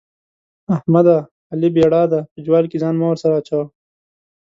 احمده؛ علي بېړا دی - په جوال کې ځان مه ورسره اچوه.